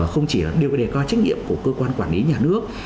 không chỉ đều đề cao trách nhiệm của cơ quan quản lý nhà nước